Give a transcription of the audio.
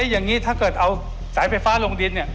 อย่างนี้ถ้าเกิดเอาสายไฟฟ้าลงดินเนี่ย